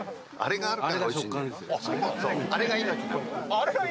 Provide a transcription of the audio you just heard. あれが命？